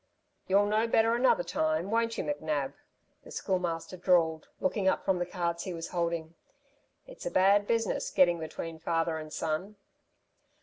"You'll know better another time, won't you, McNab," the Schoolmaster drawled, looking up from the cards he was holding. "It's a bad business getting between father and son."